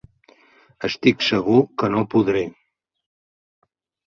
Estic segur que no podré!